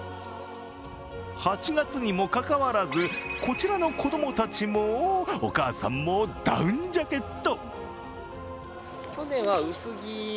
８月にもかかわらず、こちらの子供たちも、お母さんもダウンジャケット。